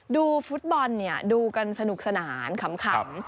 ดูฟุตบอลดูกันสนุกสนานขำ